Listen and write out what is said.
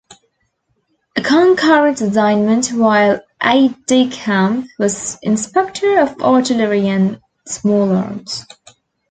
A concurrent assignment while "aide-de-camp" was Inspector of Artillery and Small Arms.